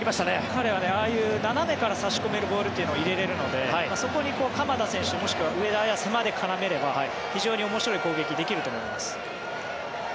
彼はああいう斜めから差し込めるボールを入れられるのでそこに鎌田選手もしくは上田綺世まで絡めれば非常に面白い攻撃ができると思います。